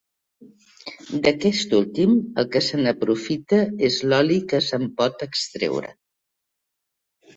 D'aquest últim, el que se n'aprofita és l'oli que se'n pot extreure.